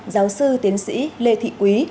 giáo sư tiến sĩ lê thị quý